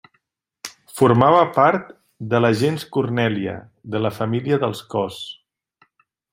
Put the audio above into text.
Formava part de la gens Cornèlia, de la família dels Cos.